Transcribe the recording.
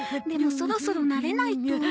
でもそろそろ慣れないと。